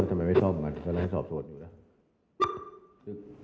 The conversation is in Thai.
ก็ทำไมไม่ซ่อมมันก็น่าให้สอบโทษอยู่แล้ว